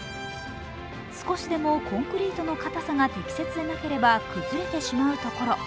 少しでもコンクリートのかたさが適切でなければ崩れてしまうところ。